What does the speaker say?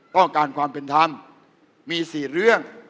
ต้องการความเป็นธรรมมี๔เรื่อง